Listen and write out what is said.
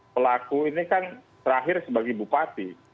pelaku ini kan terakhir sebagai bupati